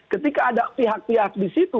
ketika ada pihak pihak di situ